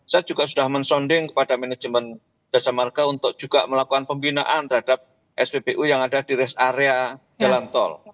saya juga sudah mensonding kepada manajemen jasa marga untuk juga melakukan pembinaan terhadap spbu yang ada di rest area jalan tol